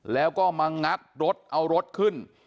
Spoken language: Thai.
แล้วก็มางัดรถเอารถขึ้น